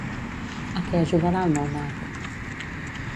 A què ajudarà el nounat?